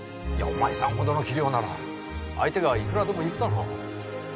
お前さんほどの器量なら相手がいくらでもいるだろう。